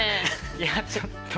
いやちょっと無理。